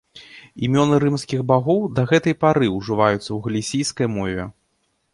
Імёны рымскіх багоў да гэтай пары ўжываюцца ў галісійскай мове.